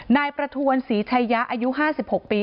นายประทวนศรีชายะอายุ๕๖ปี